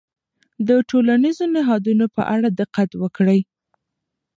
د ټولنیزو نهادونو په اړه دقت وکړئ.